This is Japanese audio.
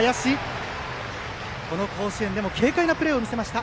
この甲子園でも軽快なプレーを見せました。